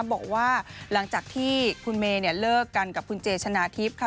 บอกว่าหลังจากที่คุณเมย์เลิกกันกับคุณเจชนะทิพย์ค่ะ